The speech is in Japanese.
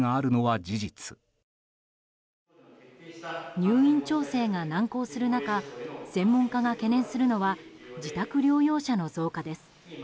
入院調整が難航する中専門家が懸念するのは自宅療養者の増加です。